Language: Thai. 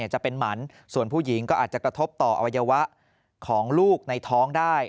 จะเป็นหมันส่วนผู้หญิงก็อาจจะกระทบต่ออวัยวะของลูกในท้องได้